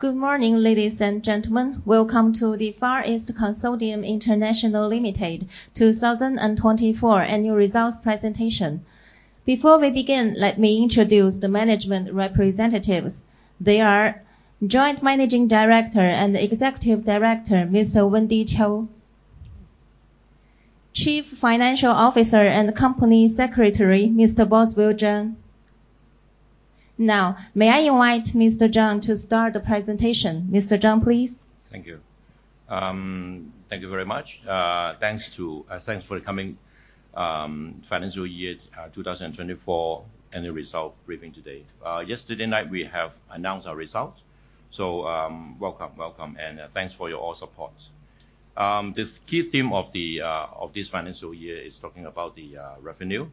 Good morning, ladies and gentlemen. Welcome to the Far East Consortium International Limited 2024 Annual Results Presentation. Before we begin, let me introduce the management representatives. They are Joint Managing Director and Executive Director, Ms. Wendy Chiu, Chief Financial Officer and Company Secretary, Mr. Boswell Cheung. Now, may I invite Mr. Cheung to start the presentation? Mr. Cheung, please. Thank you. Thank you very much. Thanks for coming to Financial Year 2024 Annual Result Briefing today. Yesterday night, we have announced our results. So welcome, welcome, and thanks for your all support. The key theme of this financial year is talking about the revenue,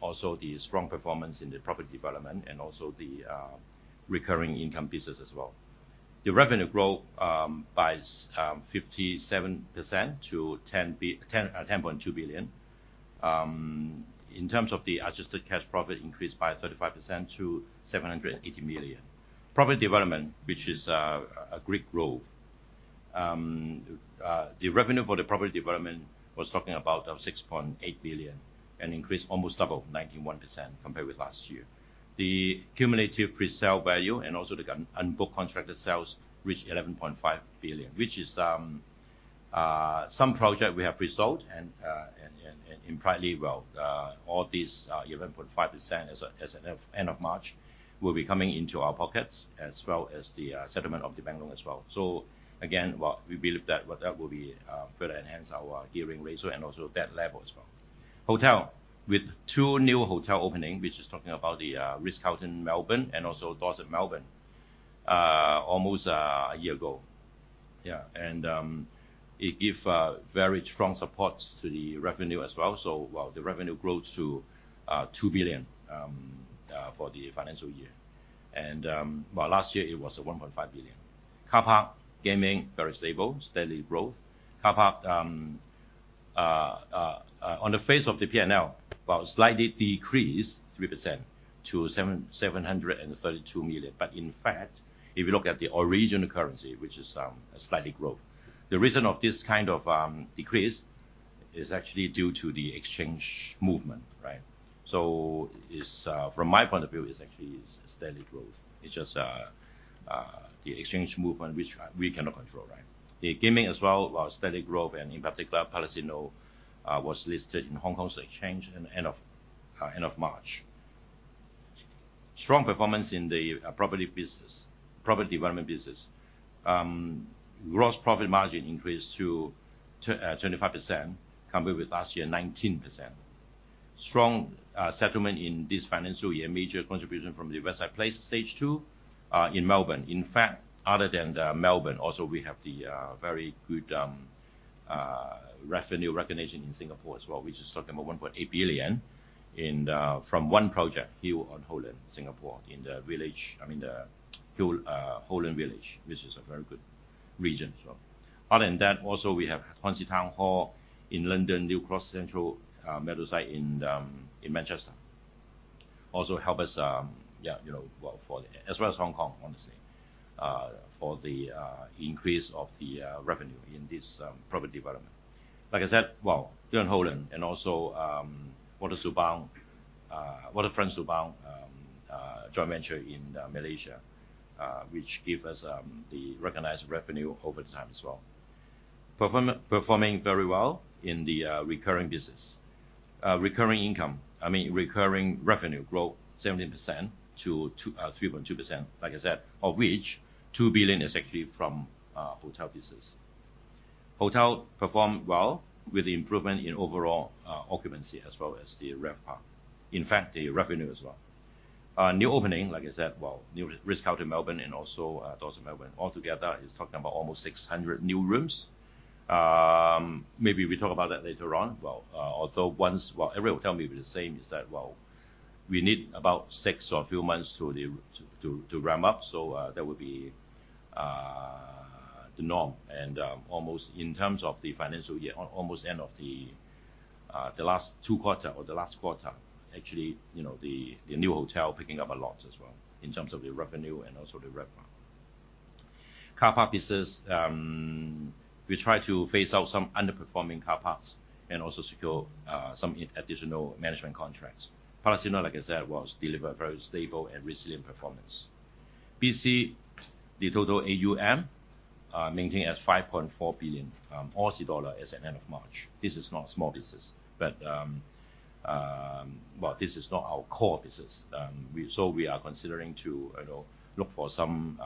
also the strong performance in the property development, and also the recurring income business as well. The revenue growth by 57% to 10.2 billion. In terms of the adjusted cash profit, increased by 35% to 780 million. Property development, which is a great growth. The revenue for the property development was talking about 6.8 billion and increased almost double, 91%, compared with last year. The cumulative pre-sale value and also the unbooked contracted sales reached 11.5 billion, which is some projects we have resolved and in partly well. All these 11.5% as of end of March will be coming into our pockets, as well as the settlement of the bank loan as well. So again, we believe that that will further enhance our gearing ratio and also debt level as well. Hotel, with two new hotels opening, which is talking about The Ritz-Carlton, Melbourne and also Dorsett Melbourne, almost a year ago. Yeah, and it gives very strong support to the revenue as well. So the revenue grows to 2 billion for the financial year. And last year, it was 1.5 billion. Car park, gaming, very stable, steady growth. Car park, on the face of the P&L, slightly decreased 3% to 732 million. But in fact, if you look at the original currency, which is a slightly growth. The reason of this kind of decrease is actually due to the exchange movement. So from my point of view, it's actually steady growth. It's just the exchange movement, which we cannot control. The gaming as well, steady growth, and in particular, Palasino was listed in Hong Kong Stock Exchange at the end of March. Strong performance in the property business, property development business. Gross profit margin increased to 25%, compared with last year 19%. Strong settlement in this financial year, major contribution from the West Side Place stage two in Melbourne. In fact, other than Melbourne, also we have the very good revenue recognition in Singapore as well, which is talking about 1.8 billion from one project, Hyll on Holland Singapore in the village, I mean, the Hyll on Holland village, which is a very good region. Other than that, also we have Hornsey Town Hall in London, New Cross Central Meadowside in Manchester. Also help us, yeah, as well as Hong Kong, honestly, for the increase of the revenue in this property development. Like I said, well, Hyll on Holland and also Waterfront Subang Joint Venture in Malaysia, which gives us the recognized revenue over time as well. Performing very well in the recurring business. Recurring income, I mean, recurring revenue growth 17% to 3.2 billion, like I said, of which 2 billion is actually from hotel business. Hotel performed well with the improvement in overall occupancy as well as the RevPAR. In fact, the revenue as well. New opening, like I said, well, The Ritz-Carlton, Melbourne and also Dorsett Melbourne, altogether is talking about almost 600 new rooms. Maybe we talk about that later on. Well, although once, well, every hotel may be the same, is that, well, we need about six or a few months to ramp up. So that would be the norm. And almost in terms of the financial year, almost end of the last two quarters or the last quarter, actually, the new hotel picking up a lot as well in terms of the revenue and also the RevPAR. Car park business, we try to phase out some underperforming car parks and also secure some additional management contracts. Palasino, like I said, was delivered very stable and resilient performance. BC, the total AUM maintained at 5.4 billion Aussie dollar at the end of March. This is not a small business, but, well, this is not our core business. So we are considering to look for some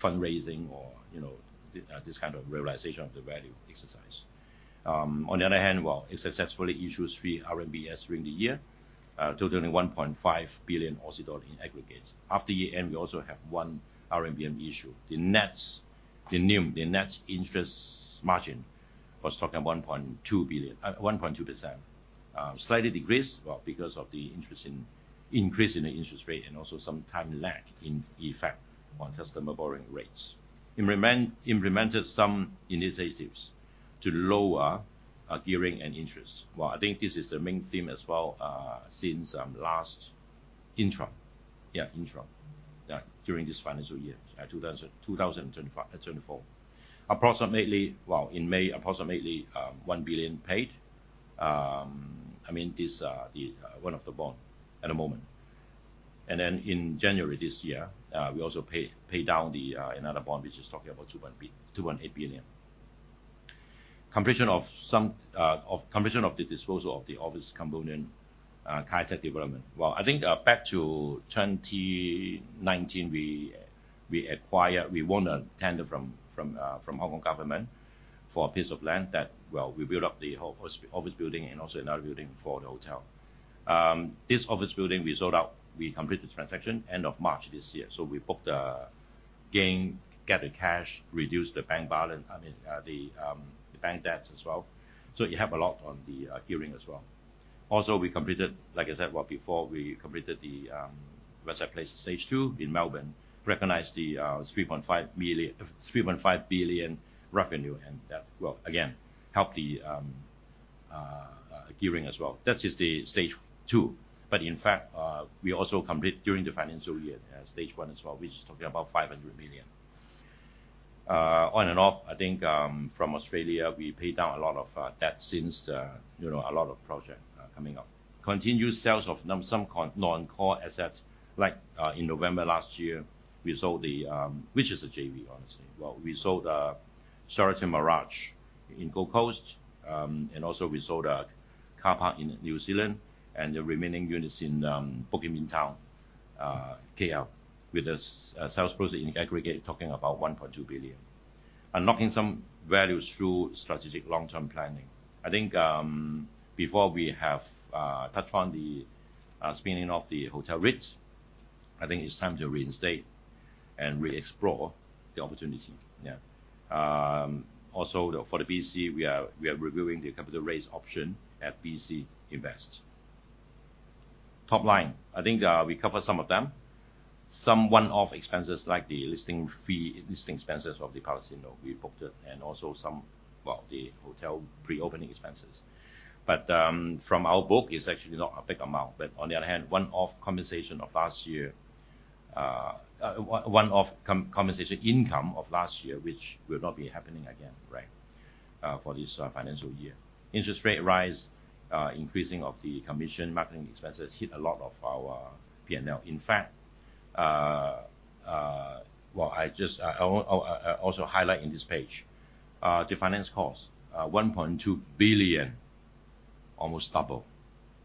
fundraising or this kind of realization of the value exercise. On the other hand, well, it successfully issued three RMBS during the year, totaling 1.5 billion Aussie dollars in aggregate. After year end, we also have one RMBS issue. The net interest margin was 1.2%. Slightly decreased because of the increase in the interest rate and also some time lag in effect on customer borrowing rates. Implemented some initiatives to lower gearing and interest. Well, I think this is the main theme as well since last interim, yeah, interim during this financial year, 2024. Approximately, well, in May, approximately 1 billion paid. I mean, this is one of the bonds at the moment. And then in January this year, we also paid down another bond, which is 2.8 billion. Completion of the disposal of the office component in Kai Tak Development. Well, I think back to 2019, we won a tender from Hong Kong government for a piece of land that, well, we built up the office building and also another building for the hotel. This office building, we sold out. We completed the transaction end of March this year. So we booked the gain, get the cash, reduce the bank balance, I mean, the bank debts as well. So it helped a lot on the gearing as well. Also, we completed, like I said, well, before we completed the West Side Place stage two in Melbourne, recognized the 3.5 billion revenue and that, well, again, helped the gearing as well. That is the stage two. But in fact, we also completed during the financial year stage one as well, which is talking about 500 million. On and off, I think from Australia, we paid down a lot of debt since a lot of projects coming up. Continued sales of some non-core assets. Like in November last year, we sold the, which is a JV, honestly. Well, we sold Sheraton Mirage in Gold Coast, and also we sold a car park in New Zealand and the remaining units in Bukit Bintang, KL, with a sales process in aggregate talking about 1.2 billion. Unlocking some values through strategic long-term planning. I think before we have touched on the spinning of the hotel REITs, I think it's time to reinstate and re-explore the opportunity. Yeah. Also, for the BC, we are reviewing the capital raise option at BC Invest. Top line, I think we covered some of them. Some one-off expenses like the listing fee, listing expenses of the Palasino we booked it and also some, well, the hotel pre-opening expenses. But from our book, it's actually not a big amount. But on the other hand, one-off compensation of last year, one-off compensation income of last year, which will not be happening again, right, for this financial year. Interest rate rise, increasing of the commission, marketing expenses hit a lot of our P&L. In fact, well, I just also highlight in this page the finance cost, 1.2 billion, almost double,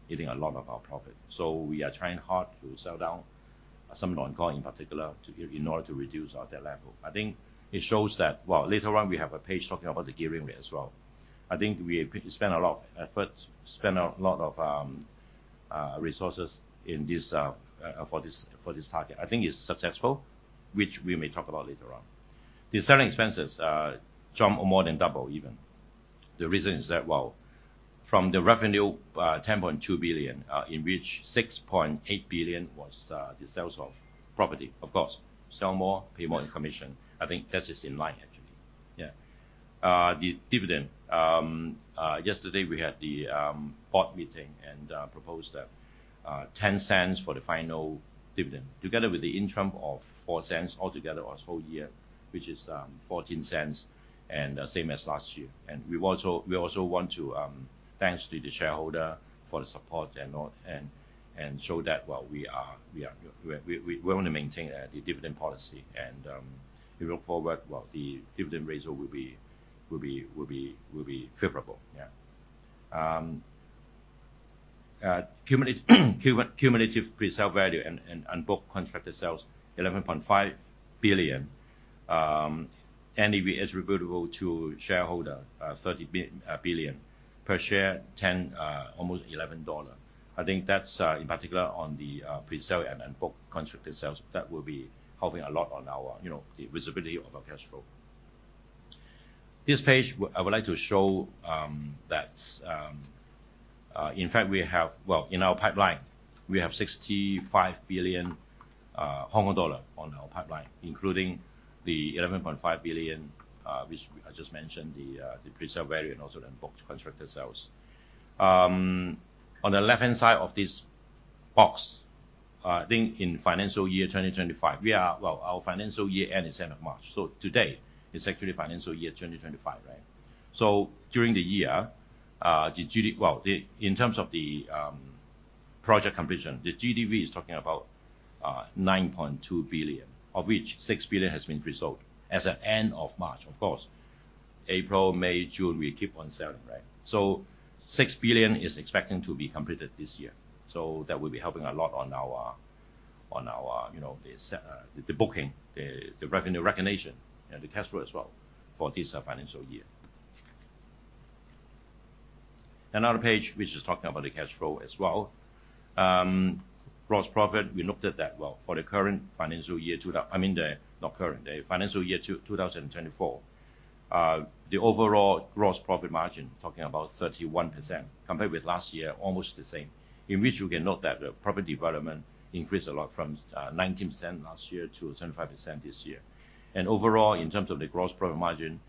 hitting a lot of our profit. So we are trying hard to sell down some non-core in particular in order to reduce our debt level. I think it shows that, well, later on, we have a page talking about the gearing rate as well. I think we spent a lot of effort, spent a lot of resources for this target. I think it's successful, which we may talk about later on. The selling expenses jump more than double even. The reason is that, well, from the revenue, 10.2 billion, in which 6.8 billion was the sales of property. Of course, sell more, pay more in commission. I think that is in line, actually. Yeah. The dividend. Yesterday, we had the board meeting and proposed 0.10 for the final dividend, together with the interim of 0.04; altogether for the whole year, which is 0.14 and same as last year. We also want to thank the shareholder for the support and show that, well, we want to maintain the dividend policy. We look forward; well, the dividend ratio will be favorable. Yeah. Cumulative pre-sale value and unbooked contracted sales, 11.5 billion. NAV is attributable to shareholders, 30 billion. Per share, 10, almost HKD 11. I think that's in particular on the pre-sale and unbooked contracted sales. That will be helping a lot on the visibility of our cash flow. This page, I would like to show that in fact, we have, well, in our pipeline, we have 65 billion Hong Kong dollar on our pipeline, including the 11.5 billion, which I just mentioned, the pre-sale value and also the unbooked contracted sales. On the left-hand side of this box, I think in financial year 2025, we are, well, our financial year end is end of March. So today, it's actually financial year 2025, right? So during the year, well, in terms of the project completion, the GDV is talking about 9.2 billion, of which 6 billion has been resolved as of end of March. Of course, April, May, June, we keep on selling, right? So 6 billion is expected to be completed this year. So that will be helping a lot on our booking, the revenue recognition, and the cash flow as well for this financial year. Another page, which is talking about the cash flow as well. Gross profit, we looked at that, well, for the current financial year, I mean, not current, the financial year 2024, the overall gross profit margin talking about 31%, compared with last year, almost the same, in which you can note that the property development increased a lot from 19% last year to 25% this year. Overall, in terms of the gross profit margin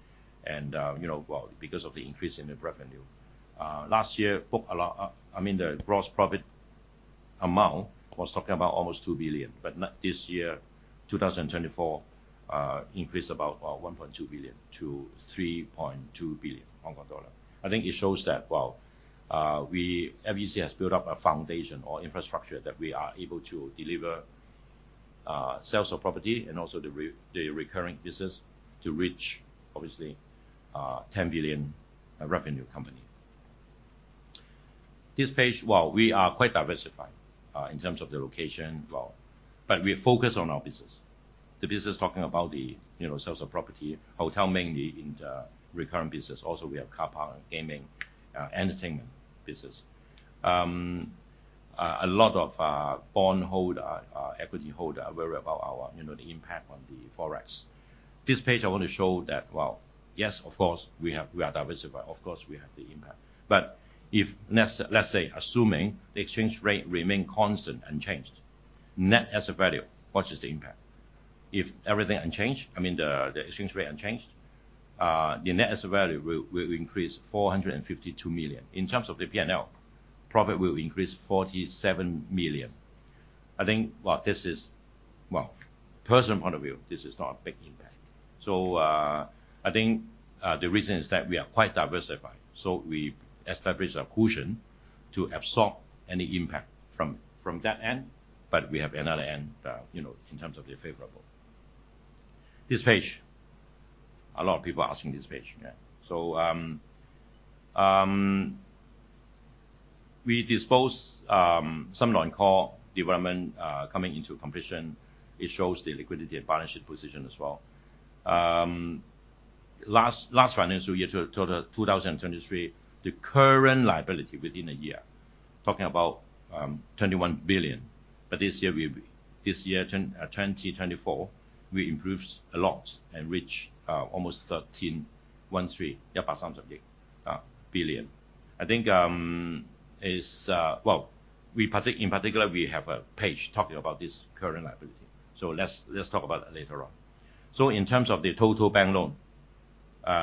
and, well, because of the increase in the revenue, last year, I mean, the gross profit amount was talking about almost 2 billion. But this year, 2024, increased about 1.2 billion to 3.2 billion Hong Kong dollar. I think it shows that, well, FEC has built up a foundation or infrastructure that we are able to deliver sales of property and also the recurring business to reach, obviously, 10 billion revenue company. This page, well, we are quite diversified in terms of the location, well, but we focus on our business. The business talking about the sales of property, hotel mainly in the recurring business. Also, we have car park, gaming, entertainment business. A lot of bond holder, equity holder are worried about the impact on the forex. This page, I want to show that, well, yes, of course, we are diversified. Of course, we have the impact. But let's say, assuming the exchange rate remained constant unchanged, net asset value, what is the impact? If everything unchanged, I mean, the exchange rate unchanged, the net asset value will increase 452 million. In terms of the P&L, profit will increase 47 million. I think, well, this is, well, personal point of view, this is not a big impact. So I think the reason is that we are quite diversified. So we established a cushion to absorb any impact from that end, but we have another end in terms of the favorable. This page, a lot of people are asking this page. So we dispose some non-core development coming into completion. It shows the liquidity and balance sheet position as well. Last financial year to 2023, the current liability within a year, talking about 21 billion. But this year, 2024, we improved a lot and reached almost 13.13 billion. I think, well, in particular, we have a page talking about this current liability. So let's talk about it later on. So in terms of the total bank loan,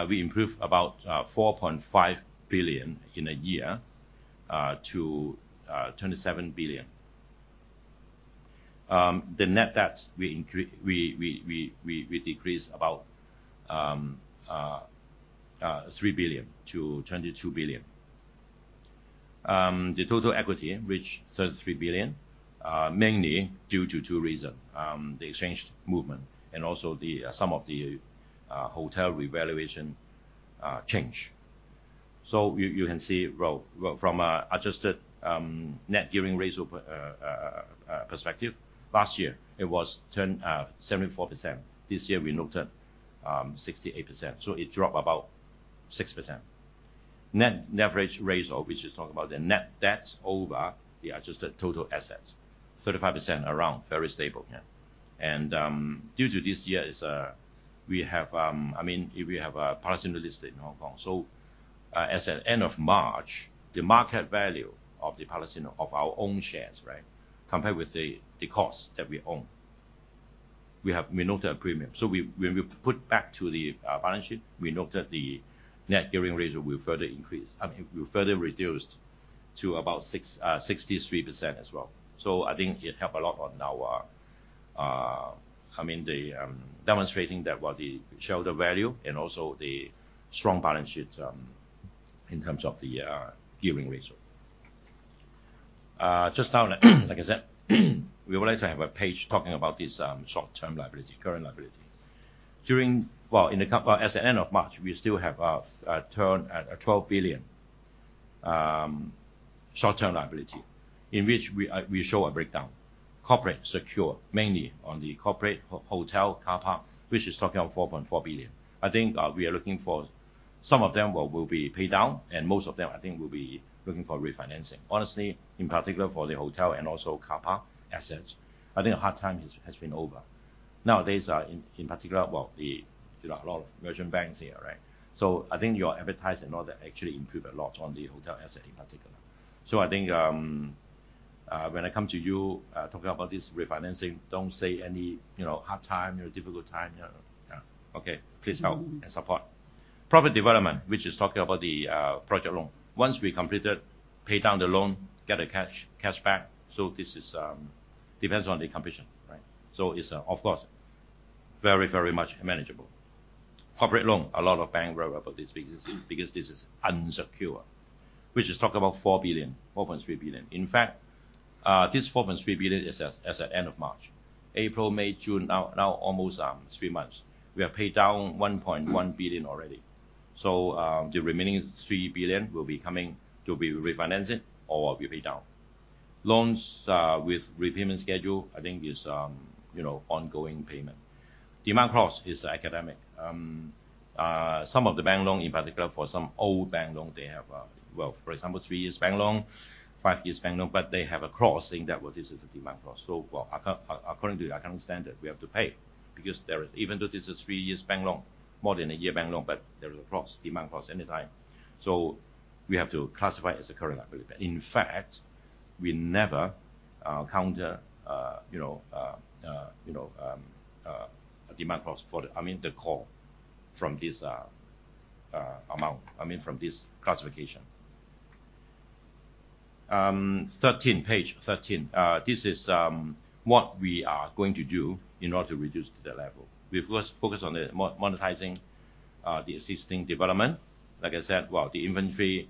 we improved about 4.5 billion in a year to 27 billion. The net debts, we decreased about 3 billion to 22 billion. The total equity, which is 33 billion, mainly due to two reasons, the exchange movement and also some of the hotel revaluation change. So you can see, well, from an adjusted net gearing ratio perspective, last year, it was 74%. This year, we noted 68%. So it dropped about 6%. Net leverage ratio, which is talking about the net debts over the adjusted total assets, 35% around, very stable. And due to this year, we have, I mean, we have a Palasino listed in Hong Kong. So as of end of March, the market value of the Palasino, of our own shares, right, compared with the cost that we own, we noted a premium. So when we put back to the balance sheet, we noted the net gearing ratio will further increase. I mean, we further reduced to about 63% as well. So I think it helped a lot on our, I mean, demonstrating that, well, the shareholder value and also the strong balance sheet in terms of the gearing ratio. Just now, like I said, we would like to have a page talking about this short-term liability, current liability. Well, as at end of March, we still have 12 billion short-term liability, in which we show a breakdown. Corporate secure, mainly on the corporate hotel, car park, which is talking about 4.4 billion. I think we are looking for some of them will be paid down, and most of them, I think, will be looking for refinancing. Honestly, in particular, for the hotel and also car park assets, I think the hard time has been over. Nowadays, in particular, well, a lot of merchant banks here, right? So I think your advertising and all that actually improved a lot on the hotel asset in particular. So I think when I come to you talking about this refinancing, don't say any hard time, difficult time. Okay, please help and support. Property development, which is talking about the project loan. Once we completed, paid down the loan, get the cash back. So this depends on the completion, right? So it's, of course, very, very much manageable. Corporate loan, a lot of banks worry about this because this is unsecured, which is talking about 4 billion, 4.3 billion. In fact, this 4.3 billion is at end of March. April, May, June, now almost 3 months. We have paid down 1.1 billion already. So the remaining 3 billion will be coming to be refinanced or will be paid down. Loans with repayment schedule, I think, is ongoing payment. Demand clause is academic. Some of the bank loan, in particular, for some old bank loan, they have, well, for example, 3-year bank loan, 5-year bank loan, but they have a clause in that where this is a demand clause. So according to the accounting standard, we have to pay because there is, even though this is 3-year bank loan, more than 1-year bank loan, but there is a clause, demand clause anytime. So we have to classify as a current liability. In fact, we never counter a demand clause for the, I mean, the core from this amount, I mean, from this classification. Page 13. This is what we are going to do in order to reduce the level. We focus on monetizing the existing development. Like I said, well, the inventory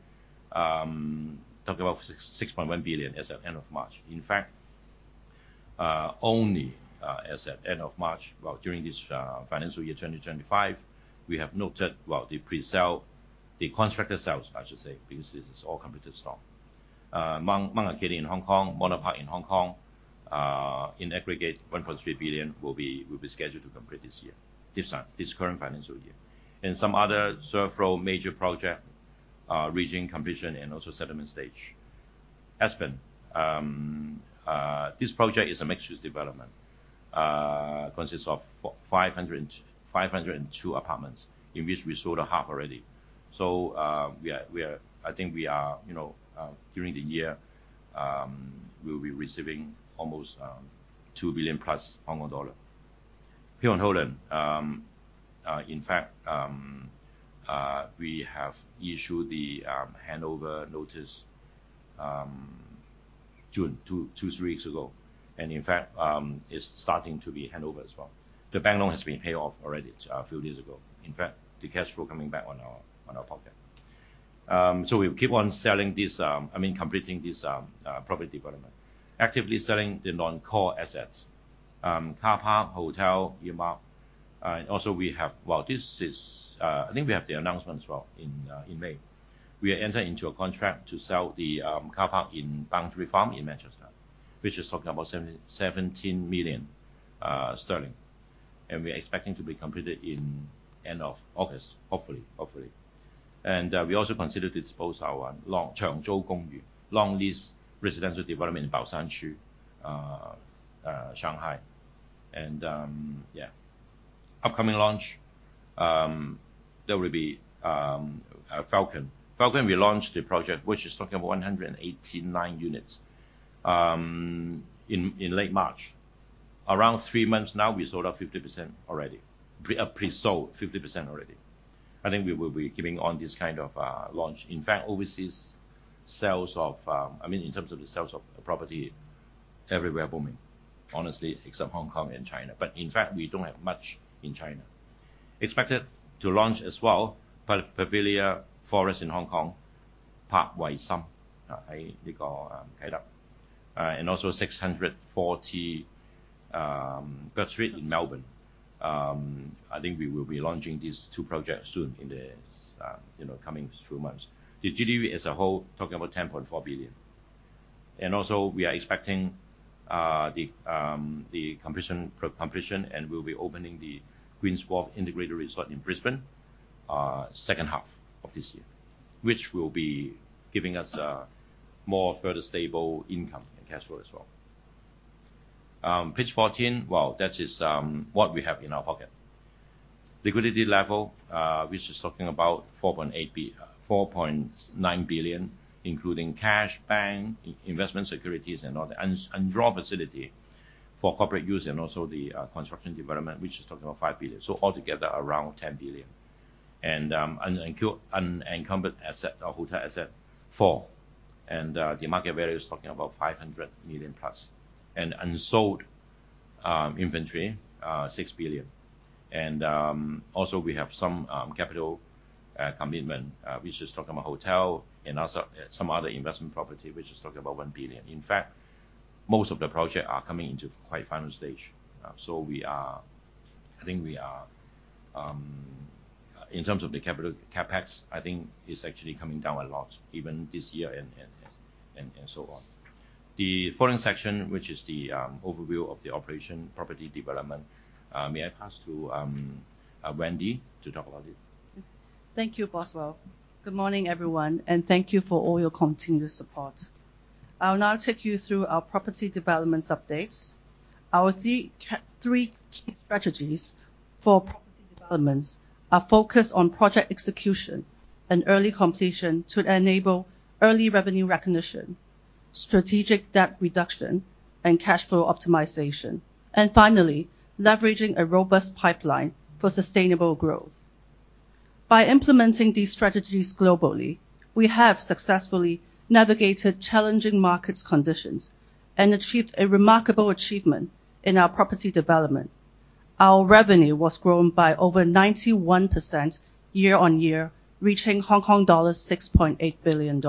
talking about 6.1 billion as of end of March. In fact, only as at end of March, well, during this financial year 2025, we have noted, well, the pre-sale, the contracted sales, I should say, because this is all completed stock. Mount Arcadia in Hong Kong, Manor Parc in Hong Kong, in aggregate, 1.3 billion will be scheduled to complete this year, this current financial year. And some other several major project reaching completion and also settlement stage. Aspen, this project is a mixed-use development. It consists of 502 apartments, in which we sold half already. So I think we are, during the year, we'll be receiving almost 2 billion plus Hong Kong dollar. Hyll on Holland, in fact, we have issued the handover notice two, three weeks ago. And in fact, it's starting to be handover as well. The bank loan has been paid off already a few days ago. In fact, the cash flow coming back on our pocket. So we keep on selling this, I mean, completing this property development. Actively selling the non-core assets, car park, hotel, earmark. Also, we have, well, this is, I think we have the announcement as well in May. We are entering into a contract to sell the car park in Boundary Farm in Manchester, which is talking about 17 million sterling. And we are expecting to be completed in end of August, hopefully. And we also considered to dispose our Changzhou Gongyu, Long Lease Residential Development in Baoshan, Shanghai. And yeah, upcoming launch, there will be Falcon. Falcon, we launched the project, which is talking about 189 units in late March. Around three months now, we sold out 50% already. We have pre-sold 50% already. I think we will be giving on this kind of launch. In fact, overseas sales of, I mean, in terms of the sales of property, everywhere booming, honestly, except Hong Kong and China. But in fact, we don't have much in China. Expected to launch as well, THE PAVILIA FOREST in Hong Kong, Pak Wai Sum, and also 640 Bourke Street in Melbourne. I think we will be launching these two projects soon in the coming few months. The GDV as a whole, talking about 10.4 billion. And also, we are expecting the completion and we'll be opening the Queen’s Wharf Brisbane, second half of this year, which will be giving us more further stable income and cash flow as well. Page 14, well, that is what we have in our pocket. Liquidity level, which is talking about 4.9 billion, including cash, bank, investment securities, and all the underwriting facility for corporate use and also the construction development, which is talking about 5 billion. So altogether, around 10 billion. And unencumbered asset, or hotel asset, 4 billion. And the market value is talking about 500 million plus. And unsold inventory, 6 billion. And also, we have some capital commitment, which is talking about hotel and some other investment property, which is talking about 1 billion. In fact, most of the projects are coming into quite final stage. So I think we are, in terms of the capital CapEx, I think it's actually coming down a lot, even this year and so on. The following section, which is the overview of the operation, property development, may I pass to Wendy to talk about it? Thank you, Boswell. Good morning, everyone. Thank you for all your continued support. I'll now take you through our property developments updates. Our three key strategies for property developments are focused on project execution and early completion to enable early revenue recognition, strategic debt reduction, and cash flow optimization. Finally, leveraging a robust pipeline for sustainable growth. By implementing these strategies globally, we have successfully navigated challenging market conditions and achieved a remarkable achievement in our property development. Our revenue was grown by over 91% year-on-year, reaching Hong Kong dollars 6.8 billion.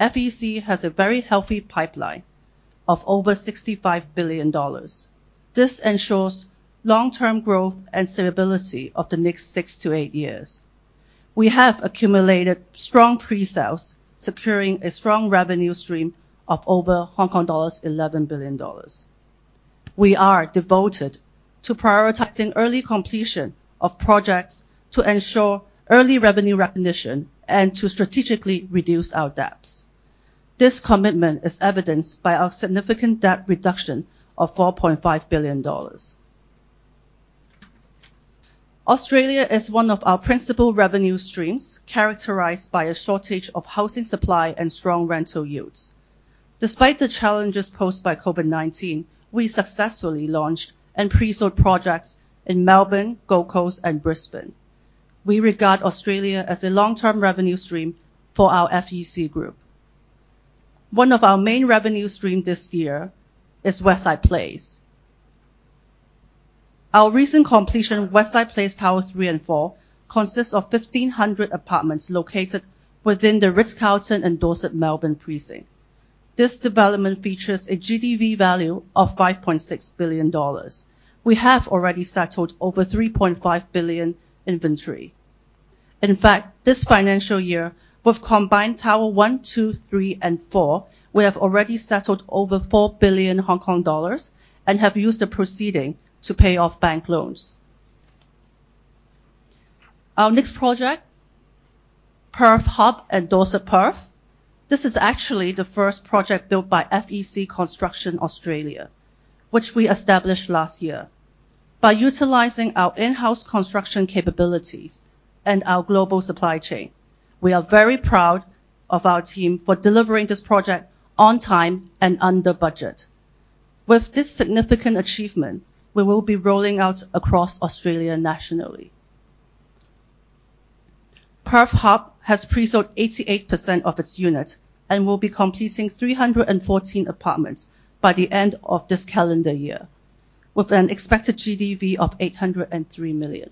FEC has a very healthy pipeline of over 65 billion dollars. This ensures long-term growth and stability of the next 6-8 years. We have accumulated strong pre-sales, securing a strong revenue stream of over Hong Kong dollars 11 billion. We are devoted to prioritizing early completion of projects to ensure early revenue recognition and to strategically reduce our debts. This commitment is evidenced by our significant debt reduction of 4.5 billion dollars. Australia is one of our principal revenue streams characterized by a shortage of housing supply and strong rental yields. Despite the challenges posed by COVID-19, we successfully launched and pre-sold projects in Melbourne, Gold Coast, and Brisbane. We regard Australia as a long-term revenue stream for our FEC group. One of our main revenue streams this year is West Side Place. Our recent completion, West Side Place Tower 3 and 4, consists of 1,500 apartments located within the Ritz-Carlton and Dorsett Melbourne Precinct. This development features a GDV value of 5.6 billion dollars. We have already settled over 3.5 billion inventory. In fact, this financial year, with combined Tower one, two, three, and four, we have already settled over 4 billion Hong Kong dollars and have used the proceeds to pay off bank loans. Our next project, Perth Hub and Dorsett Perth, this is actually the first project built by FEC Construction Australia, which we established last year. By utilizing our in-house construction capabilities and our global supply chain, we are very proud of our team for delivering this project on time and under budget. With this significant achievement, we will be rolling out across Australia nationally. Perth Hub has pre-sold 88% of its units and will be completing 314 apartments by the end of this calendar year, with an expected GDV of 803 million.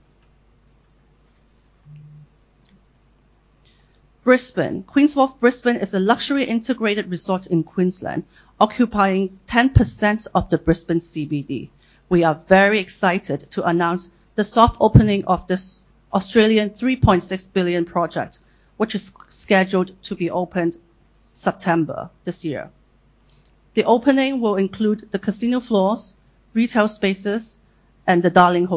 Brisbane, Queen’s Wharf Brisbane is a luxury integrated resort in Queensland, occupying 10% of the Brisbane CBD. We are very excited to announce the soft opening of this Australian 3.6 billion project, which is scheduled to be opened September this year. The opening will include the casino floors, retail spaces, and The Darling.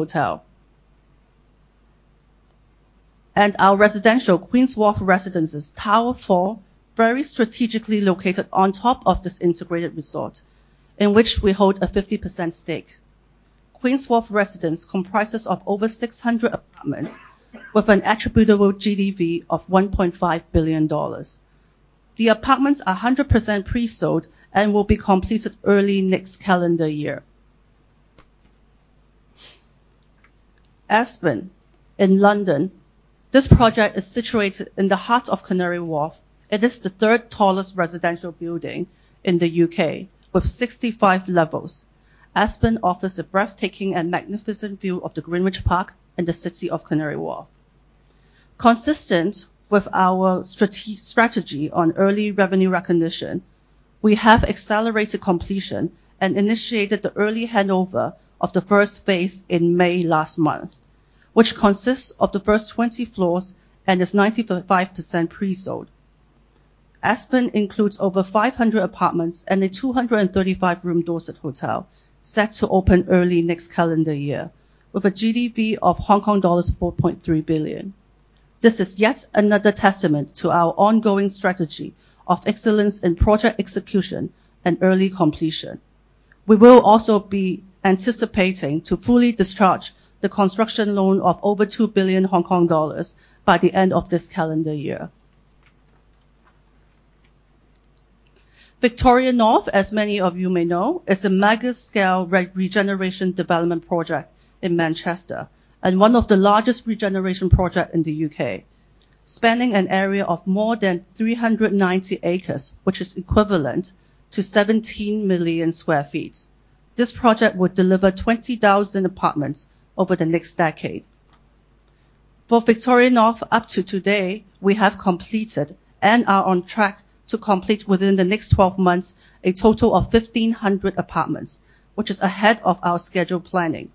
Our residential Queen’s Wharf Residences, Tower four, very strategically located on top of this integrated resort, in which we hold a 50% stake. Queen’s Wharf Residences comprises of over 600 apartments with an attributable GDV of 1.5 billion dollars. The apartments are 100% pre-sold and will be completed early next calendar year. Aspen, in London. This project is situated in the heart of Canary Wharf. It is the third tallest residential building in the UK, with 65 levels. Aspen offers a breathtaking and magnificent view of the Greenwich Park and the city of Canary Wharf. Consistent with our strategy on early revenue recognition, we have accelerated completion and initiated the early handover of the first phase in May last month, which consists of the first 20 floors and is 95% pre-sold. Aspen includes over 500 apartments and a 235-room Dorsett Hotel set to open early next calendar year, with a GDV of Hong Kong dollars 4.3 billion. This is yet another testament to our ongoing strategy of excellence in project execution and early completion. We will also be anticipating to fully discharge the construction loan of over 2 billion Hong Kong dollars by the end of this calendar year. Victoria North, as many of you may know, is a mega-scale regeneration development project in Manchester and one of the largest regeneration projects in the U.K., spanning an area of more than 390 acres, which is equivalent to 17 million sq ft. This project would deliver 20,000 apartments over the next decade. For Victoria North, up to today, we have completed and are on track to complete within the next 12 months a total of 1,500 apartments, which is ahead of our scheduled planning.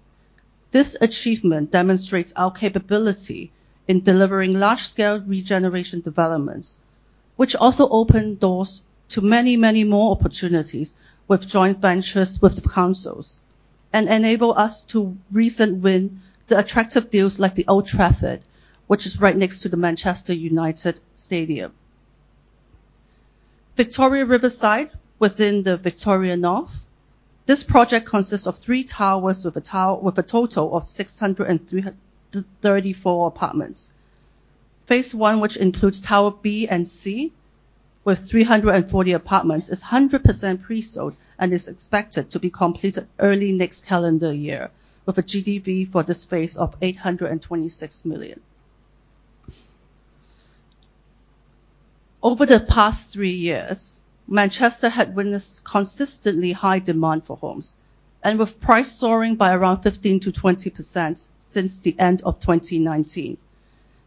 This achievement demonstrates our capability in delivering large-scale regeneration developments, which also open doors to many, many more opportunities with joint ventures with the councils and enable us to recently win the attractive deals like the Old Trafford, which is right next to the Manchester United Stadium. Victoria Riverside, within the Victoria North, this project consists of three towers with a total of 634 apartments. Phase one, which includes Tower B and C with 340 apartments, is 100% pre-sold and is expected to be completed early next calendar year with a GDV for this phase of 826 million. Over the past three years, Manchester had witnessed consistently high demand for homes and with prices soaring by around 15%-20% since the end of 2019.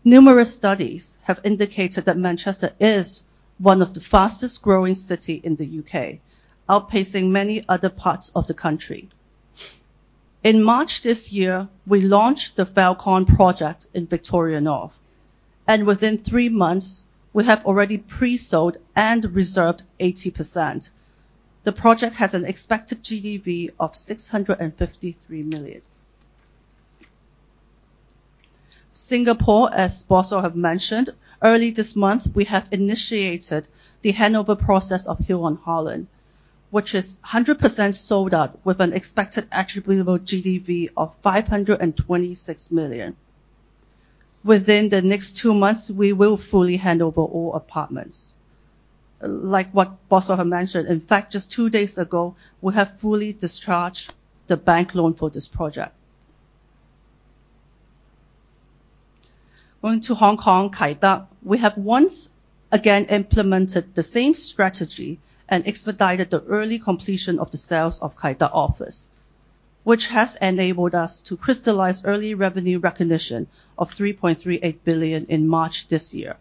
Numerous studies have indicated that Manchester is one of the fastest growing cities in the U.K., outpacing many other parts of the country. In March this year, we launched the Falcon project in Victoria North. Within three months, we have already pre-sold and reserved 80%. The project has an expected GDV of 653 million. Singapore, as Boswell has mentioned, early this month, we have initiated the handover process of Hyll on Holland, which is 100% sold out with an expected attributable GDV of 526 million. Within the next two months, we will fully hand over all apartments. Like what Boswell has mentioned, in fact, just two days ago, we have fully discharged the bank loan for this project. Going to Hong Kong, Kai Tak, we have once again implemented the same strategy and expedited the early completion of the sales of Kai Tak office, which has enabled us to crystallize early revenue recognition of HKD 3.38 billion in March this year.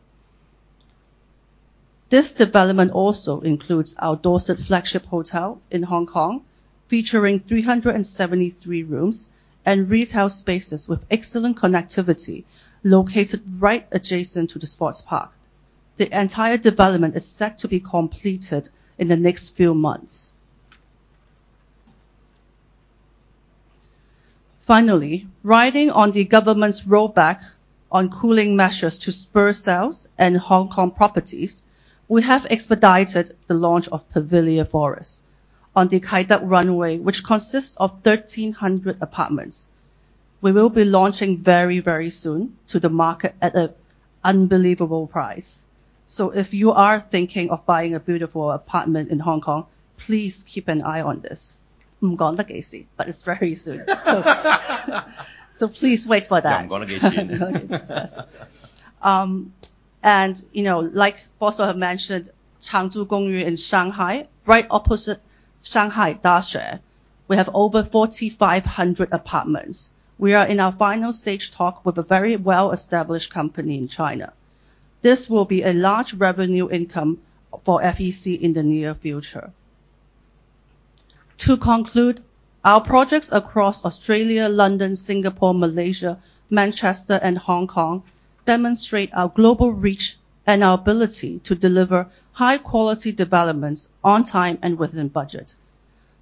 This development also includes our Dorsett flagship hotel in Hong Kong, featuring 373 rooms and retail spaces with excellent connectivity located right adjacent to the sports park. The entire development is set to be completed in the next few months. Finally, riding on the government's rollback on cooling measures to spur sales and Hong Kong properties, we have expedited the launch of THE PAVILIA FOREST on the Kai Tak Runway, which consists of 1,300 apartments. We will be launching very, very soon to the market at an unbelievable price. So if you are thinking of buying a beautiful apartment in Hong Kong, please keep an eye on this. I'm going to get seen, but it's very soon. So please wait for that. You know, like Boswell has mentioned, Changzhou Gongyu in Shanghai, right opposite Shanghai University, we have over 4,500 apartments. We are in our final stage talk with a very well-established company in China. This will be a large revenue income for FEC in the near future. To conclude, our projects across Australia, London, Singapore, Malaysia, Manchester, and Hong Kong demonstrate our global reach and our ability to deliver high-quality developments on time and within budget.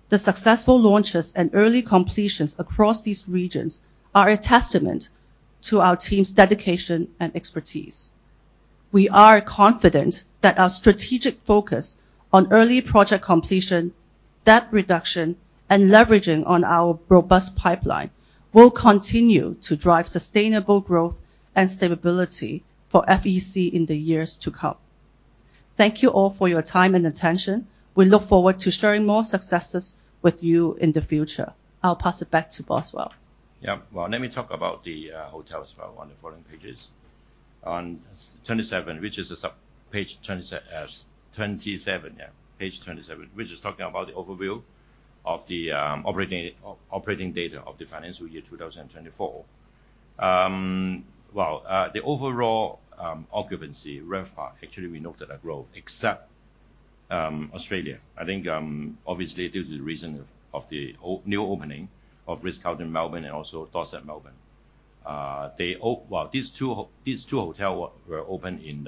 The successful launches and early completions across these regions are a testament to our team's dedication and expertise. We are confident that our strategic focus on early project completion, debt reduction, and leveraging on our robust pipeline will continue to drive sustainable growth and stability for FEC in the years to come. Thank you all for your time and attention. We look forward to sharing more successes with you in the future. I'll pass it back to Boswell. Yep. Well, let me talk about the hotel as well on the following pages. On 27, which is a subpage 27, yeah, page 27, which is talking about the overview of the operating data of the financial year 2024. Well, the overall occupancy, RevPAR, actually, we noted a growth except Australia. I think obviously due to the reason of the new opening of The Ritz-Carlton, Melbourne and also Dorsett Melbourne. Well, these two hotels were opened in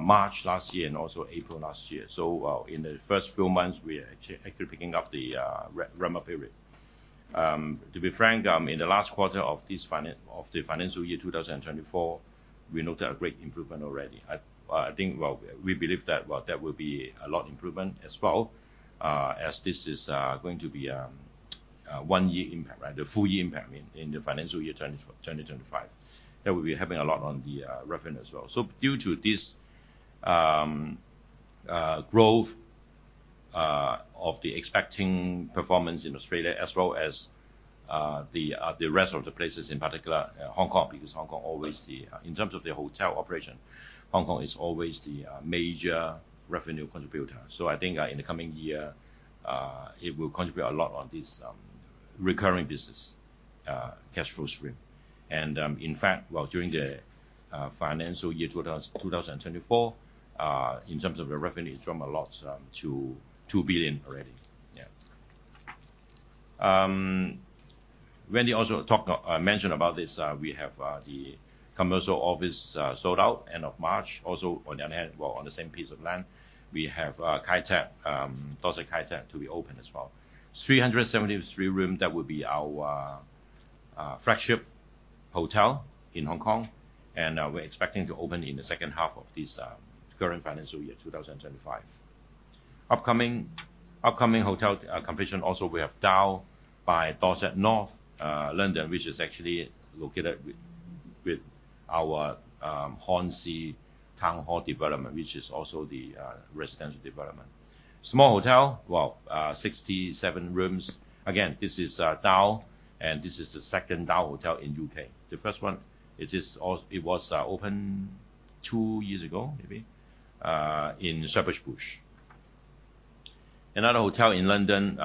March last year and also April last year. So in the first few months, we are actually picking up the ramp-up period. To be frank, in the last quarter of the financial year 2024, we noted a great improvement already. I think we believe that there will be a lot of improvement as well, as this is going to be a one-year impact, right? The full-year impact in the financial year 2025. That will be having a lot on the revenue as well. So due to this growth of the expecting performance in Australia, as well as the rest of the places in particular, Hong Kong, because Hong Kong always, in terms of their hotel operation, Hong Kong is always the major revenue contributor. So I think in the coming year, it will contribute a lot on this recurring business cash flow stream. And in fact, well, during the financial year 2024, in terms of the revenue, it's dropped a lot to 2 billion already. Yeah. When they also talk mentioned about this, we have the commercial office sold out end of March. Also, on the other hand, well, on the same piece of land, we have Dorsett Kai Tak to be opened as well. 373 rooms, that would be our flagship hotel in Hong Kong. And we're expecting to open in the second half of this current financial year 2025. Upcoming hotel completion, also we have Dao by Dorsett North London, which is actually located with our Hornsey Town Hall development, which is also the residential development. Small hotel, well, 67 rooms. Again, this is Dao, and this is the second Dao hotel in the UK. The first one, it was opened two years ago, maybe, in Shepherd's Bush. Another hotel in London,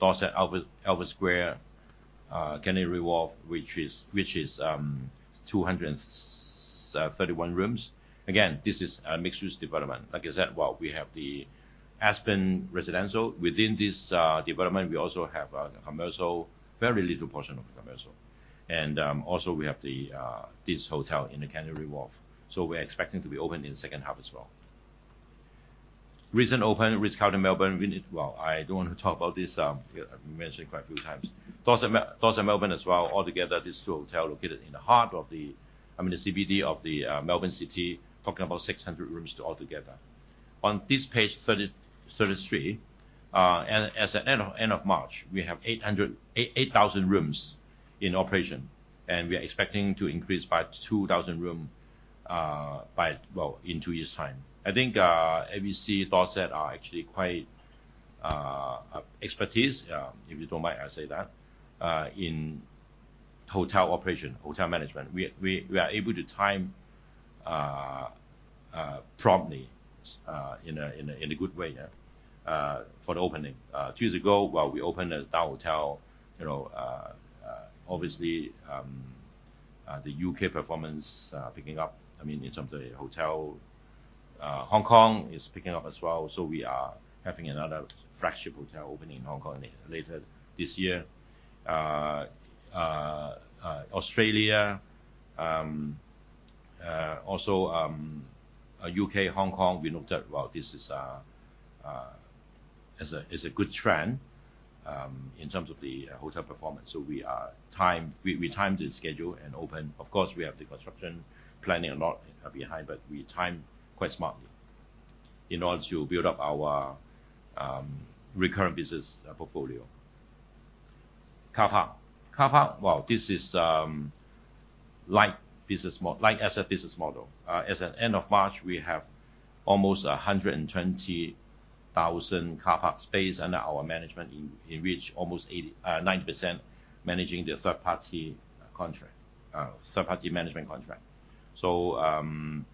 Dorsett Aspen, Canary Wharf, which is 231 rooms. Again, this is a mixed-use development. Like I said, well, we have the Aspen Residential. Within this development, we also have a commercial, very little portion of the commercial. We also have this hotel in the Canary Wharf. So we're expecting to be open in the second half as well. Recently opened Ritz-Carlton Melbourne, well, I don't want to talk about this. We mentioned it quite a few times. Dorsett Melbourne as well, altogether, these two hotels located in the heart of the, I mean, the CBD of the Melbourne City, talking about 600 rooms altogether. On this page 33, as end of March, we have 8,000 rooms in operation. And we are expecting to increase by 2,000 rooms by, well, in two years' time. I think FEC, Dorsett are actually quite expertise, if you don't mind I say that, in hotel operation, hotel management. We are able to time promptly in a good way for the opening. Two years ago, well, we opened a Dao hotel. Obviously, the UK performance is picking up. I mean, in terms of the hotel, Hong Kong is picking up as well. So we are having another flagship hotel opening in Hong Kong later this year. Australia, also UK, Hong Kong, we noted, well, this is a good trend in terms of the hotel performance. So we timed the schedule and opened. Of course, we have the construction planning a lot behind, but we timed quite smartly in order to build up our recurring business portfolio. Car park. Car park, well, this is like as a business model. As end of March, we have almost 120,000 car park space under our management, in which almost 90% managing the third-party management contract. So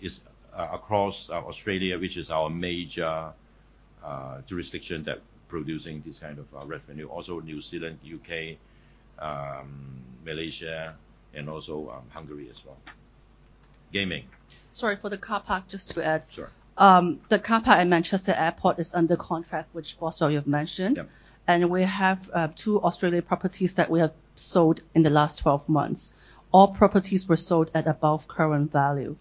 it's across Australia, which is our major jurisdiction that is producing this kind of revenue. Also New Zealand, UK, Malaysia, and also Hungary as well. Gaming. Sorry, for the car park, just to add. The car park at Manchester Airport is under contract, which Boswell you've mentioned. We have two Australian properties that we have sold in the last 12 months. All properties were sold at above current value.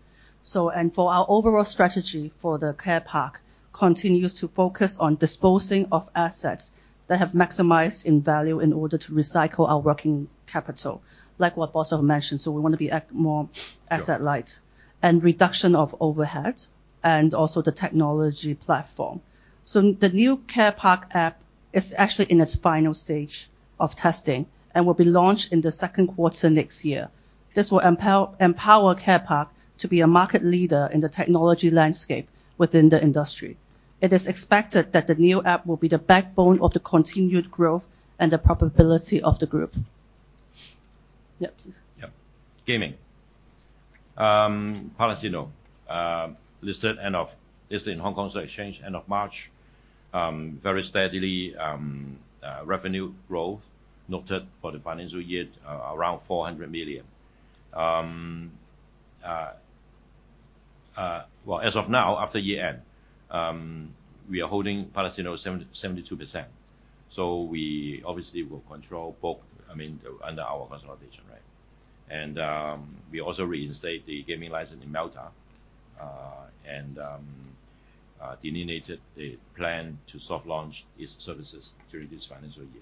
Our overall strategy for the Care Park continues to focus on disposing of assets that have maximized in value in order to recycle our working capital, like what Boswell mentioned. We want to be more asset-light and reduction of overhead and also the technology platform. The new Care Park app is actually in its final stage of testing and will be launched in the second quarter next year. This will empower Care Park to be a market leader in the technology landscape within the industry. It is expected that the new app will be the backbone of the continued growth and the probability of the group. Yep. Yep. Gaming. Palasino, listed in Hong Kong Stock Exchange end of March. Very steadily revenue growth noted for the financial year around 400 million. Well, as of now, after year-end, we are holding Palasino 72%. So we obviously will control both, I mean, under our consolidation, right? And we also reinstated the gaming license in Malta and delineated the plan to soft launch its services during this financial year.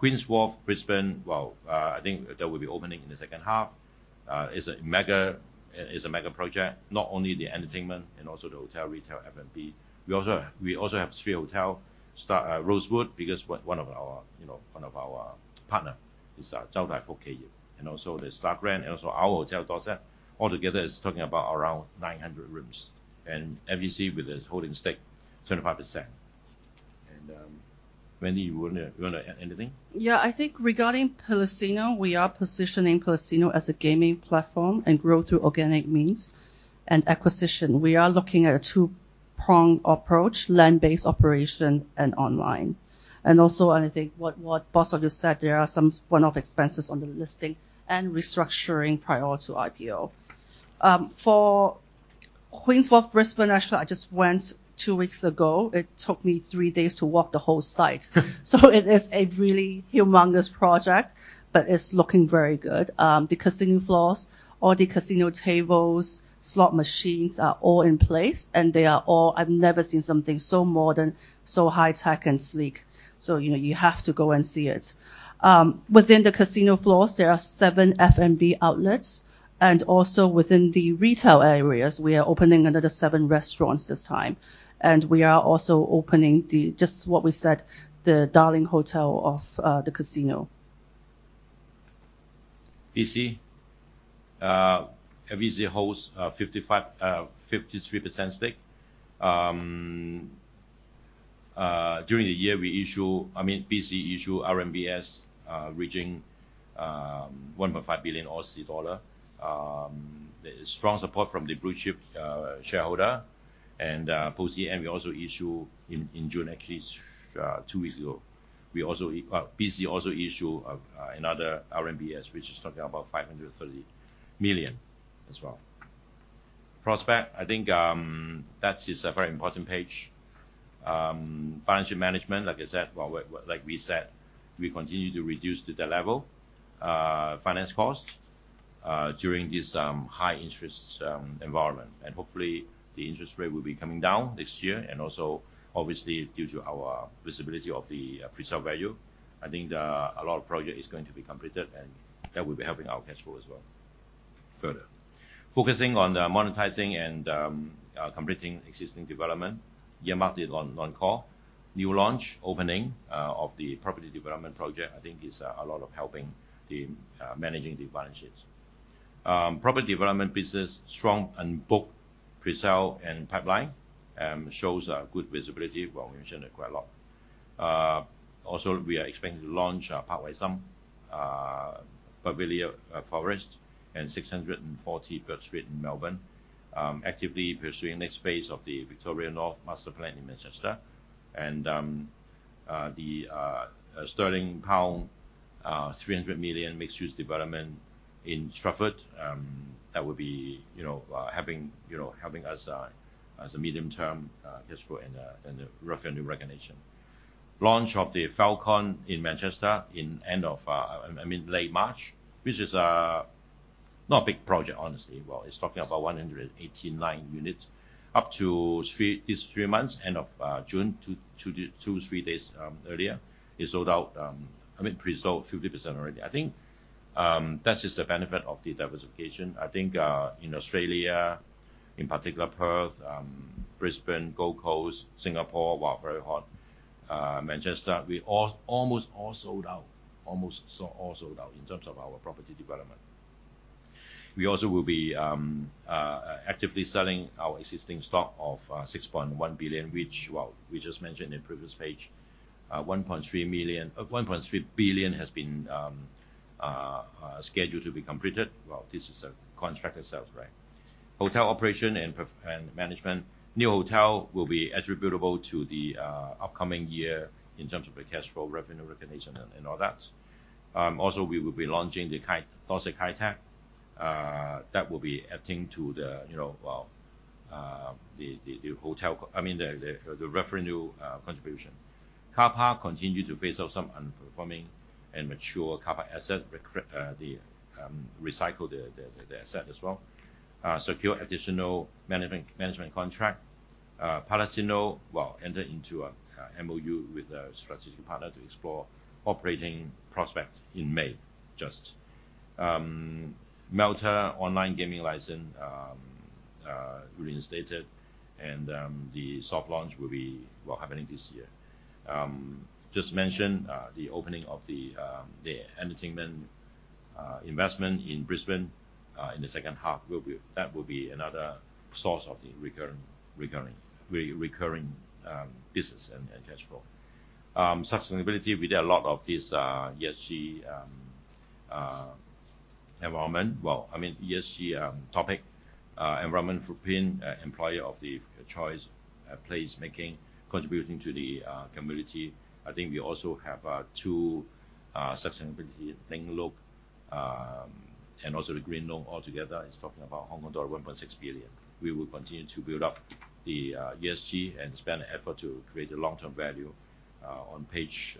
Queen’s Wharf Brisbane, well, I think that will be opening in the second half. It's a mega project, not only the entertainment and also the hotel retail F&B. We also have three hotels, Rosewood, because one of our partners is Chow Tai Fook. And also The Star Grand and also our hotel, Dorsett, altogether is talking about around 900 rooms. And FEC with a holding stake of 25%. And Wendy, you want to add anything? Yeah, I think regarding Palasino, we are positioning Palasino as a gaming platform and grow through organic means and acquisition. We are looking at a two-pronged approach, land-based operation and online. And also, I think what Boswell just said, there are some one-off expenses on the listing and restructuring prior to IPO. For Queen’s Wharf Brisbane, actually, I just went two weeks ago. It took me three days to walk the whole site. So it is a really humongous project, but it's looking very good. The casino floors, all the casino tables, slot machines are all in place, and they are all. I've never seen something so modern, so high-tech and sleek. So you have to go and see it. Within the casino floors, there are seven F&B outlets. And also within the retail areas, we are opening another seven restaurants this time. We are also opening the, just what we said, the Darling hotel of the casino. BC. FEC holds 53% stake. During the year, we issue, I mean, BC issued RMBS reaching 1.5 billion Aussie dollar. Strong support from the blue chip shareholder. And also, and we also issued in June, actually two weeks ago. BC also issued another RMBS, which is talking about 530 million as well. Prospects, I think that is a very important page. Financial management, like I said, well, like we said, we continue to reduce to the level of finance costs during this high-interest environment. And hopefully, the interest rate will be coming down next year. And also, obviously, due to our visibility of the presale value, I think a lot of projects are going to be completed, and that will be helping our cash flow as well. Further, focusing on monetizing and completing existing development, year-marked it on call. New launch, opening of the property development project, I think is a lot of helping the managing the financials. Property development business, strong on book, presale, and pipeline, and shows good visibility. Well, we mentioned it quite a lot. Also, we are expecting to launch Parkway Summit, THE PAVILIA FOREST, and 640 Bourke Street in Melbourne. Actively pursuing next phase of the Victoria North Master Plan in Manchester. And the pound 300 million mixed-use development in Stratford, that will be helping us as a medium-term cash flow and the revenue recognition. Launch of the Falcon in Manchester in end of, I mean, late March, which is not a big project, honestly. Well, it's talking about 189 units up to these three months, end of June, two to three days earlier. It sold out, I mean, pre-sold 50% already. I think that is the benefit of the diversification. I think in Australia, in particular, Perth, Brisbane, Gold Coast, Singapore, well, very hot. Manchester, we almost all sold out, almost all sold out in terms of our property development. We also will be actively selling our existing stock of 6.1 billion, which, well, we just mentioned in the previous page, 1.3 billion has been scheduled to be completed. Well, this is a contract itself, right? Hotel operation and management, new hotel will be attributable to the upcoming year in terms of the cash flow, revenue recognition, and all that. Also, we will be launching the Dorsett Kai Tak. That will be adding to the, well, the hotel, I mean, the revenue contribution. Car park continues to face some underperforming and mature car park asset, recycle the asset as well. Secure additional management contract. Palasino, well, entered into an MOU with a strategic partner to explore operating prospects in just May. Malta online gaming license reinstated, and the soft launch will be happening this year. Just mentioned the opening of the entertainment investment in Brisbane in the second half. That will be another source of the recurring business and cash flow. Sustainability, we did a lot of this ESG environment. Well, I mean, ESG topic, environment, being an employer of choice, placemaking, contributing to the community. I think we also have two sustainability-linked loans and also the green loan altogether is talking about Hong Kong dollar 1.6 billion. We will continue to build up the ESG and spend effort to create a long-term value on page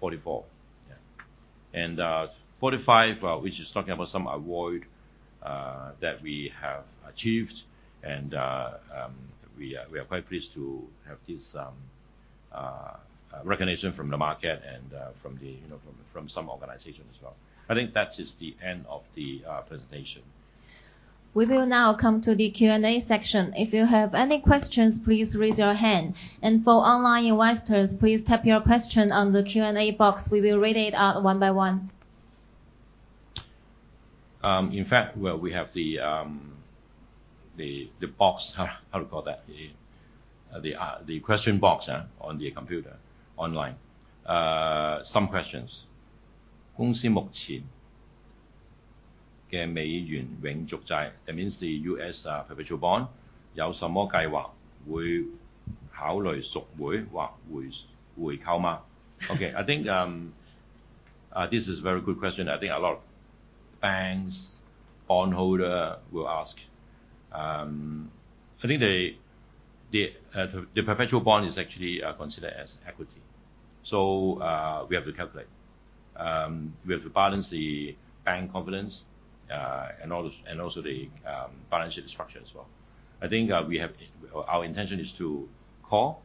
44. Yeah. And 45, which is talking about some award that we have achieved. And we are quite pleased to have this recognition from the market and from some organizations as well. I think that is the end of the presentation. We will now come to the Q&A section. If you have any questions, please raise your hand. And for online investors, please type your question on the Q&A box. We will read it out one by one. In fact, well, we have the box, how to call that, the question box on the computer online. Some questions. 公司目前的美元永续债, that means the US perpetual bond, 有什么计划会考虑赎回或回购吗? Okay, I think this is a very good question. I think a lot of banks, bondholders will ask. I think the perpetual bond is actually considered as equity. So we have to calculate. We have to balance the bank confidence and also the financial structure as well. I think our intention is to call,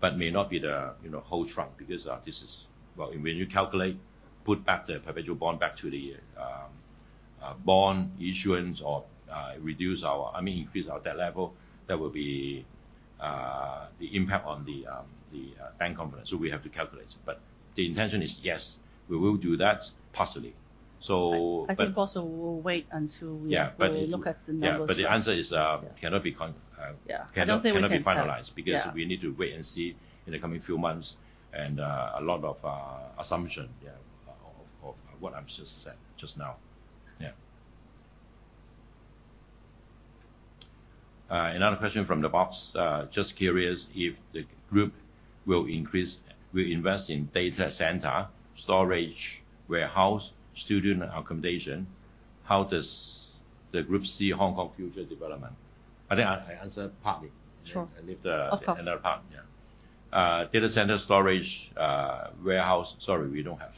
but may not be the whole trunk because this is, well, when you calculate, put back the perpetual bond back to the bond issuance or reduce our, I mean, increase our debt level, that will be the impact on the bank confidence. So we have to calculate. But the intention is, yes, we will do that partially. So I think Boswell will wait until we look at the numbers. Yeah, but the answer is cannot be finalized because we need to wait and see in the coming few months and a lot of assumption of what I've just said just now. Yeah. Another question from the box. Just curious if the group will invest in data center, storage, warehouse, student accommodation. How does the group see Hong Kong future development? I think I answered partly. Sure. Of course. Another part, yeah. Data center, storage, warehouse, sorry, we don't have.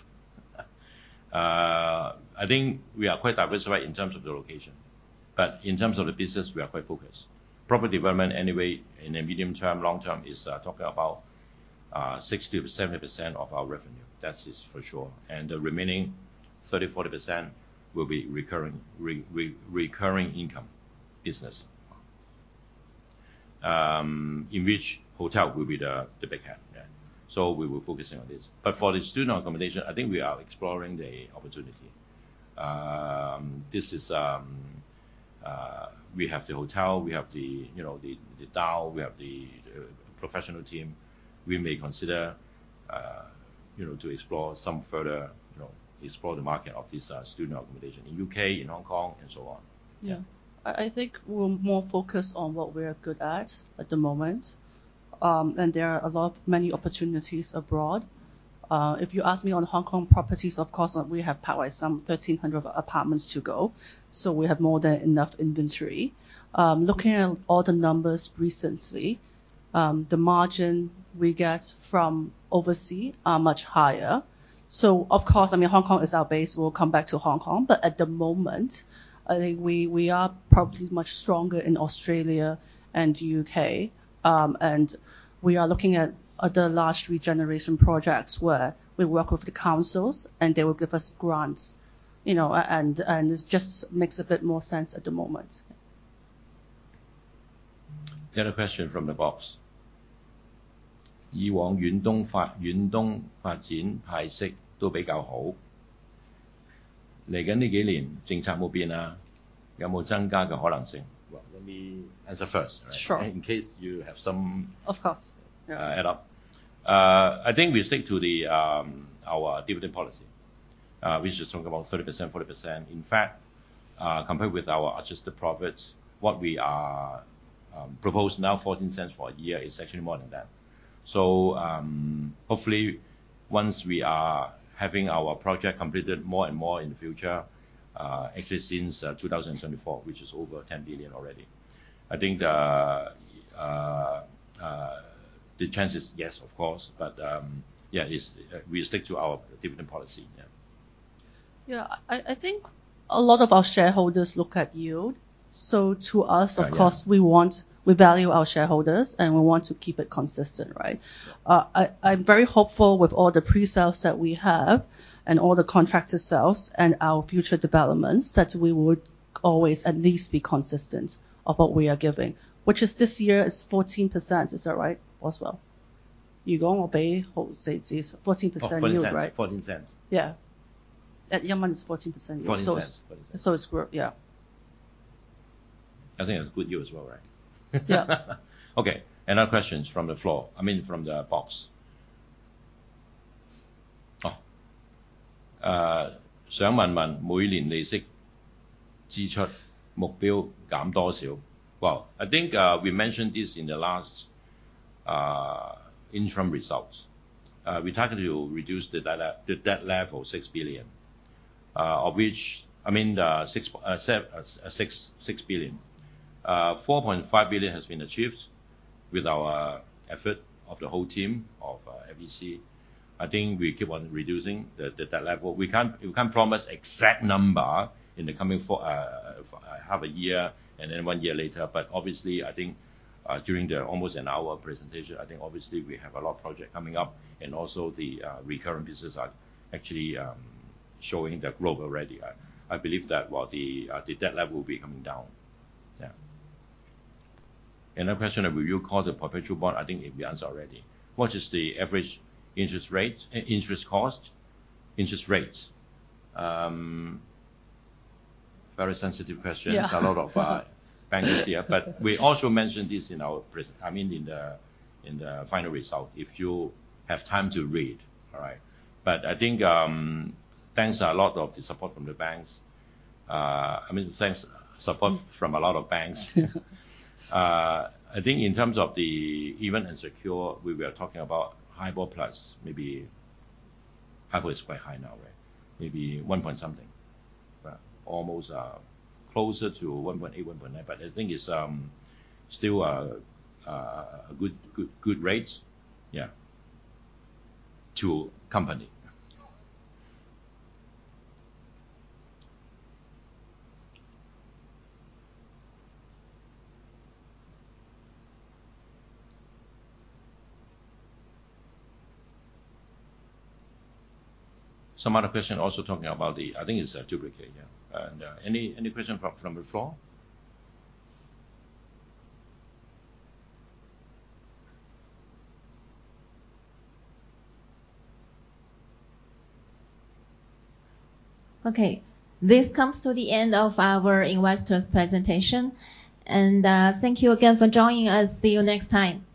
I think we are quite diversified in terms of the location. But in terms of the business, we are quite focused. Property development anyway, in the medium term, long term, is talking about 60%-70% of our revenue. That is for sure. And the remaining 30%-40% will be recurring income business. In which hotel will be the big hand? Yeah. So we will focus on this. But for the student accommodation, I think we are exploring the opportunity. This is, we have the hotel, we have the Dao, we have the professional team. We may consider to explore some further, explore the market of this student accommodation in UK, in Hong Kong, and so on. Yeah. I think we're more focused on what we are good at at the moment. And there are many opportunities abroad. If you ask me on Hong Kong properties, of course, we have THE PAVILIA FOREST, 1,300 apartments to go. So we have more than enough inventory. Looking at all the numbers recently, the margin we get from overseas are much higher. So of course, I mean, Hong Kong is our base. We'll come back to Hong Kong. But at the moment, I think we are probably much stronger in Australia and UK. And we are looking at other large regeneration projects where we work with the councils, and they will give us grants. And it just makes a bit more sense at the moment. Got a question from the box. 以往远东发展派息都比较好。接下来这几年政策没有变，有没有增加的可能性? Let me answer first. Sure. In case you have some add up. I think we stick to our dividend policy, which is talking about 30%, 40%. In fact, compared with our adjusted profits, what we propose now, 0.14 for a year, is actually more than that. So hopefully, once we are having our project completed more and more in the future, actually since 2024, which is over 10 billion already. I think the chance is yes, of course. But yeah, we stick to our dividend policy. Yeah. Yeah, I think a lot of our shareholders look at you. So to us, of course, we value our shareholders, and we want to keep it consistent, right? I'm very hopeful with all the presales that we have and all the contracted sales and our future developments that we would always at least be consistent of what we are giving, which is this year is 14%. Is that right, Boswell? You know our payout says it's 14% you, right? Oh, yeah, that's HKD 0.14. Yeah. You mean, it's 14% yield. 14 cents. So it's group, yeah. I think it's good yield as well, right? Yeah. Okay. Another question from the floor. I mean, from the box. 想问问每年利息支出目标减多少? Well, I think we mentioned this in the last interim results. We target to reduce the debt level 6 billion, of which, I mean, 6 billion. 4.5 billion has been achieved with our effort of the whole team of FEC. I think we keep on reducing the debt level. We can't promise exact number in the coming half a year and then one year later. But obviously, I think during the almost an hour presentation, I think obviously we have a lot of projects coming up. And also the recurring business are actually showing the growth already. I believe that, well, the debt level will be coming down. Yeah. Another question that we will call the perpetual bond, I think we answered already. What is the average interest cost? Interest rates. Very sensitive question. There's a lot of bankers here. But we also mentioned this in our, I mean, in the final result, if you have time to read, all right? But I think thanks a lot of the support from the banks. I mean, thanks support from a lot of banks. I think in terms of the even and secure, we were talking about HIBOR Plus, maybe HIBOR is quite high now, right? Maybe 1 point something. Almost closer to 1.8, 1.9. But I think it's still a good rate, yeah, to company. Some other question also talking about the, I think it's a duplicate, yeah. And any question from the floor? Okay. This comes to the end of our investors' presentation. Thank you again for joining us. See you next time.